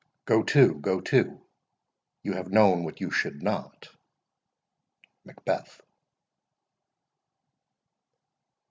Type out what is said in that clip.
—Go to, go to,—You have known what you should not. MACBETH.